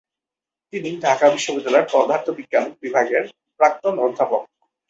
তিনি ঢাকা বিশ্ববিদ্যালয়ের পদার্থবিজ্ঞান বিভাগের প্রাক্তন অধ্যাপক।